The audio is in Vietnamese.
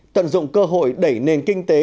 tận dụng cơ hội đẩy nền kinh tế